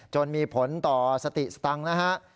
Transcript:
จนมีผลต่อสติสตังค์นะฮะ